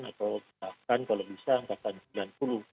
atau bahkan kalau bisa angkatan sembilan puluh